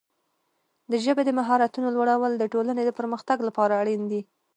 د ژبې د مهارتونو لوړول د ټولنې د پرمختګ لپاره اړین دي.